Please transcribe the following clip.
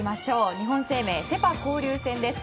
日本生命セ・パ交流戦です。